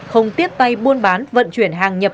không tiếp tay buôn bán vận chuyển hàng nhập